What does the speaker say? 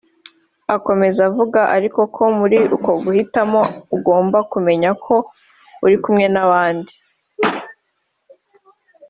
Akomeza avuga ariko ko muri uko guhitamo ugomba kumenya ko uri kumwe n’abandi